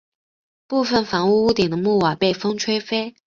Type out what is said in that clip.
部分房屋屋顶的木瓦被风吹飞。